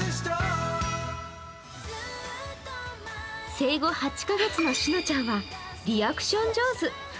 生後８カ月のしのちゃんはリアクション上手。